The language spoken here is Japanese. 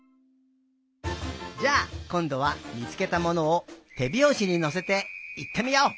じゃあこんどはみつけたものをてびょうしにのせていってみよう！